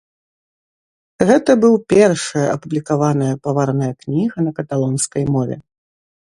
Гэта быў першая апублікаваная павараная кніга на каталонскай мове.